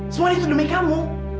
semua itu demi kamu